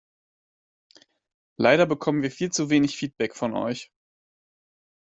Leider bekommen wir viel zu wenig Feedback von euch.